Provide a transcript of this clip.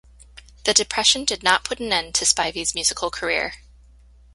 The Depression did not put an end to Spivey's musical career.